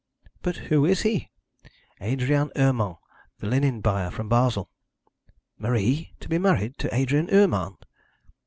'But who is he?' 'Adrian Urmand, the linen buyer from Basle.' 'Marie to be married to Adrian Urmand?'